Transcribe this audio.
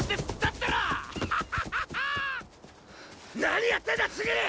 何やってんだ千切！